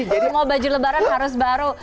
jadi mau baju lebaran harus baru